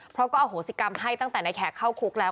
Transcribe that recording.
เพราะก็อโหสิกรรมให้ตั้งแต่ในแขกเข้าคุกแล้ว